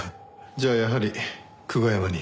じゃあやはり久我山に。